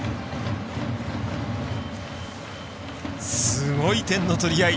すごい点の取り合い。